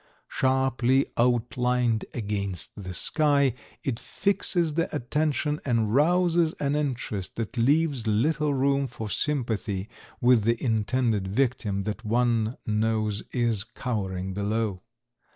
Sharply outlined against the sky, it fixes the attention and rouses an interest that leaves little room for sympathy with the intended victim that one knows is cowering below.